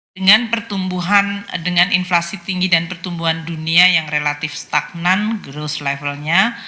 dengan pertumbuhan dengan inflasi tinggi dan pertumbuhan dunia yang relatif stagnan growth levelnya